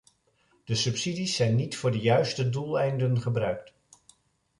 De subsidies zijn niet voor de juiste doeleinden gebruikt.